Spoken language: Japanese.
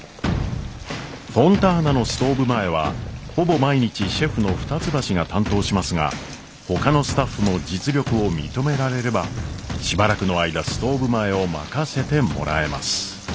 フォンターナのストーブ前はほぼ毎日シェフの二ツ橋が担当しますがほかのスタッフも実力を認められればしばらくの間ストーブ前を任せてもらえます。